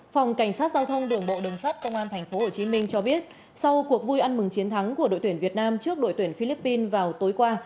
phòng cảnh sát giao thông đường bộ đường sát công an tp hcm cho biết sau cuộc vui ăn mừng chiến thắng của đội tuyển việt nam trước đội tuyển philippines vào tối qua